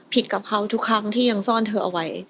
กับเขาทุกครั้งที่ยังซ่อนเธอเอาไว้